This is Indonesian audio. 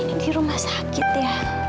ini rumah sakit ya